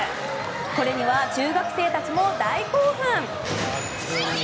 これには中学生たちも大興奮。